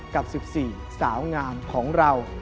กับสิบสี่สาวงามของเรา